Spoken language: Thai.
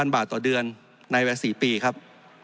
๓๐๐๐บาทต่อเดือนในแวด๔ปีครับ